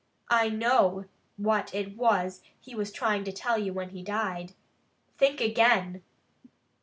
I know what it was he was trying to tell you when he died. Think again!"